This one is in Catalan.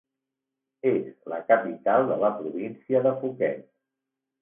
És la capital de la província de Phuket.